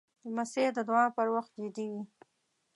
لمسی د دعا پر وخت جدي وي.